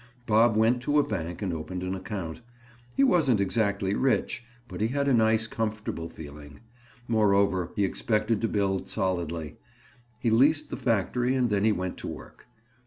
Bob went to a bank and opened an account. He wasn't exactly rich but he had a nice comfortable feeling. Moreover he expected to build solidly. He leased the factory and then he went to work.